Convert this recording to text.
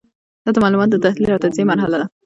دا د معلوماتو د تحلیل او تجزیې مرحله ده.